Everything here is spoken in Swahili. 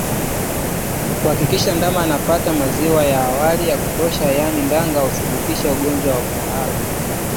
Kuhakikisha ndama anapata maziwa ya awali ya kutosha yaani danga hudhibiti ugonjwa wa kuhara